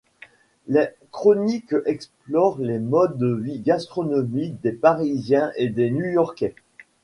Les chroniques explorent les modes de vie gastronomiques des Parisiens et des New Yorkais.